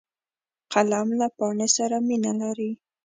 قلم له پاڼې سره مینه لري